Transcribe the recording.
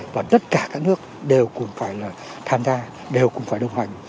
và tất cả các nước đều cùng phải là tham gia đều cùng phải đồng hành